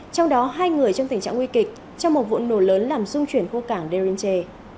trong đó hai người trong tình trạng nguy kịch trong một vụ nổ lớn làm dung chuyển khu cảng derinche